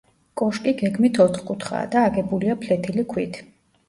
კოშკი გეგმით ოთხკუთხაა და აგებულია ფლეთილი ქვით.